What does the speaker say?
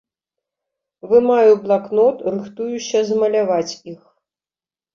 Вымаю блакнот, рыхтуюся змаляваць іх.